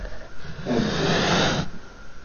Abbuc.